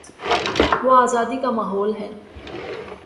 وہ آزادی کا ماحول ہے۔